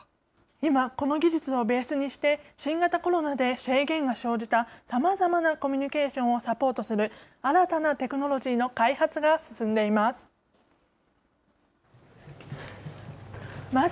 今、この技術をベースにして、新型コロナで制限が生じたさまざまなコミュニケーションをサポートする、新たなテクノロジーの開発が進んでいます。